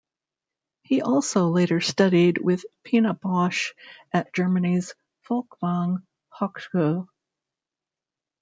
He also later studied with Pina Bausch at Germany's Folkwang Hochschule.